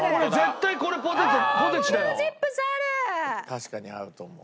確かに合うと思う。